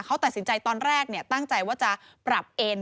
เขาตัดสินใจตอนแรกตั้งใจว่าจะปรับเอ็น